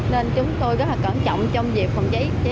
nên chúng tôi rất là cẩn trọng trong việc phòng cháy chữa cháy